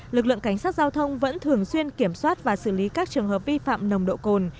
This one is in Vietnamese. lực lượng cảnh sát giao thông vẫn thường xuyên kiểm soát và xử lý các trường hợp vi phạm nồng độ cồn